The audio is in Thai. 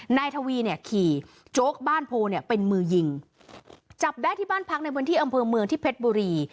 นายทวีเนี่ยขี่โจ๊กบ้านโพเนี่ยเป็นมือยิงจับได้ที่บ้านพักในพื้นที่อำเภอเมืองที่เพชรบุรี